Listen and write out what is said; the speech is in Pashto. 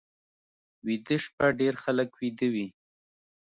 ویده شپه ډېر خلک ویده وي